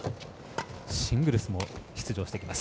シングルスも出場しています。